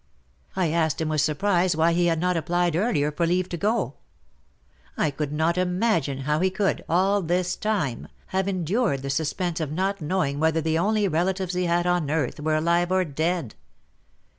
I asked him with surprise why he had not applied earlier for leave to go ? I could not imagine how he could, all this time, have endured the suspense of not knowing whether the only relatives he had on earth were alive or dead.